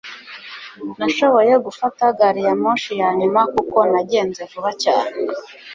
nashoboye gufata gari ya moshi ya nyuma kuko nagenze vuba cyane